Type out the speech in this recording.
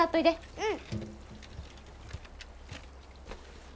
うん。